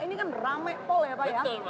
ini kan ramai pol ya pak ya